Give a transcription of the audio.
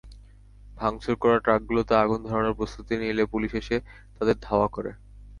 ভাঙচুর করা ট্রাকগুলোতে আগুন ধরানোর প্রস্তুতি নিলে পুলিশ এসে তাদের ধাওয়া করে।